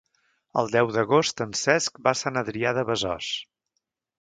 El deu d'agost en Cesc va a Sant Adrià de Besòs.